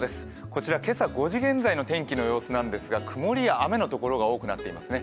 こちら今朝５時現在雲の様子なんですが曇りや雨のところが多くなっていますね。